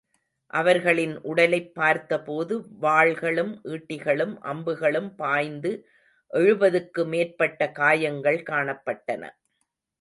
அவர்களின் உடலைப் பார்த்த போது வாள்களும், ஈட்டிகளும், அம்புகளும் பாய்ந்து எழுபதுக்கு மேற்பட்ட காயங்கள் காணப்பட்டன.